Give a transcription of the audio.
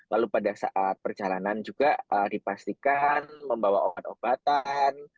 lalu pada saat perjalanan juga dipastikan membawa obat obatan